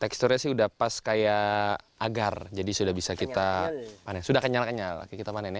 teksturnya sih udah pas kayak agar jadi sudah bisa kita panen sudah kenyal kenyal kita panennya